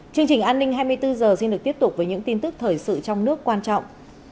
chương trình an ninh hai mươi bốn h xin được tiếp tục với những tin tức thời sự trong nước quan trọng